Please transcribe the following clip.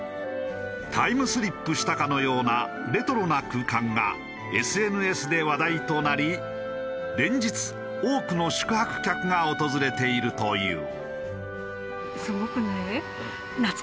タイムスリップしたかのようなレトロな空間がＳＮＳで話題となり連日多くの宿泊客が訪れているという。